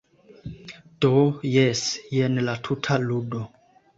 Do, jes, jen la tuta ludo.